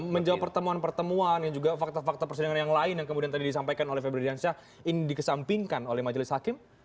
menjawab pertemuan pertemuan yang juga fakta fakta persidangan yang lain yang kemudian tadi disampaikan oleh febri diansyah ini dikesampingkan oleh majelis hakim